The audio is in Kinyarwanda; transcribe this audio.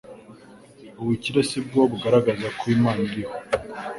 Ubukire sibwo bugaragaza ko Imana iriho